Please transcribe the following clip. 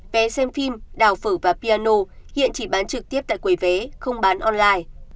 phim đào phở và piano hiện chỉ bán trực tiếp tại quầy vé không bán online